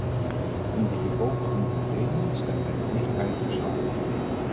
Om de hierboven genoemde redenen stemmen wij tegen beide verslagen.